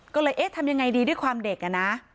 ก็เลยเอ๊ะทำยังไงดีด้วยความเด็กอะนะ